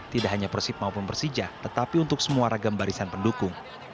tidak hanya persib maupun persija tetapi untuk semua ragam barisan pendukung